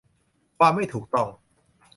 ความไม่ถูกต้อง